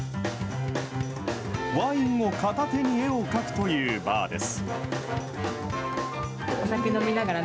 ワインを片手に絵を描くというバーです。